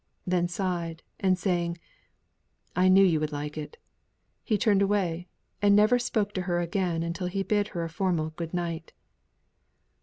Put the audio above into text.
Then sighed; and saying, "I knew you would like it," he turned away, and never spoke to her again until he bid her a formal "good night."